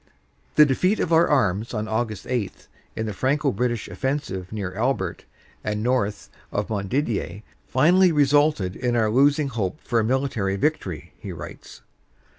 "The defeat of our arms on Aug. 8 in the Franco British offensive near Albert and north of Montdidier finally resulted in our losing hope for a military victory," he writes.